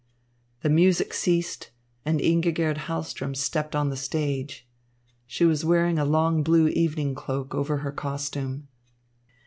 The music ceased, and Ingigerd Hahlström stepped on the stage. She was wearing a long blue evening cloak over her costume.